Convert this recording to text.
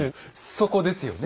そこですよね。